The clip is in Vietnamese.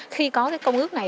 khi có cái công ước này